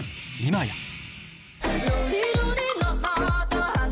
今や